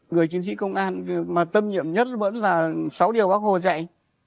người chiến sĩ công an mà tâm nhiệm nhất vẫn là sáu điều bác hồ dạy